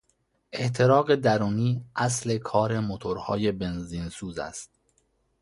احتراق درونی اصل کار موتورهای بنزین سوز است.